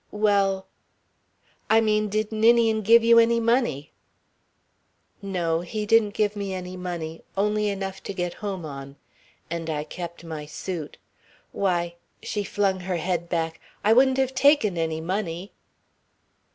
"Well " "I mean, did Ninian give you any money?" "No. He didn't give me any money only enough to get home on. And I kept my suit why!" she flung her head back, "I wouldn't have taken any money!"